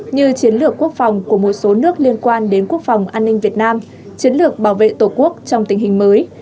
như chiến lược quốc phòng của một số nước liên quan đến quốc phòng an ninh việt nam chiến lược bảo vệ tổ quốc trong tình hình mới